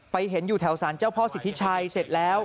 เห็นอยู่แถวสารเจ้าพ่อสิทธิชัยเสร็จแล้ว